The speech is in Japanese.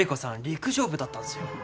陸上部だったんすよ。